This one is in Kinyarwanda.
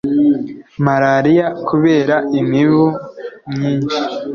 malariya kubera imibu myinshi